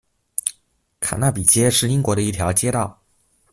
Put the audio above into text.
卡纳比街是英国的一条街道。